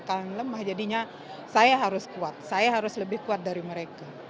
kalau lemah jadinya saya harus kuat saya harus lebih kuat dari mereka